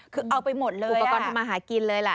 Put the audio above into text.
คือเอาไปหมดเลยอุปกรณ์ทำมาหากินเลยแหละ